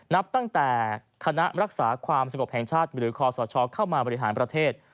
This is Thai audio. นับตั้งแต่คณะรักษาความสงบแห่งชาติหรือคอสชเข้ามาบริหารประเทศ